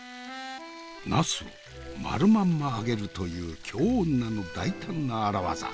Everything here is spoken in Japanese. ナスをまるまんま揚げるという京女の大胆な荒技。